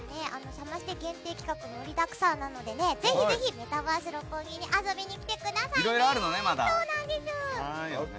サマステ限定企画盛りだくさんなのでぜひぜひメタバース六本木に遊びに来てくださいね！